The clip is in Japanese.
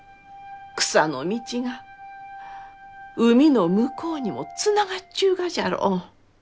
草の道が海の向こうにもつながっちゅうがじゃろう？